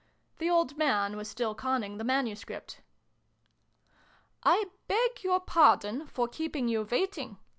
The old man was still conning the manuscript. " I beg your pardon for keeping you wait ing!"